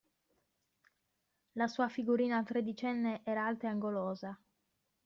La sua figurina tredicenne era alta e angolosa.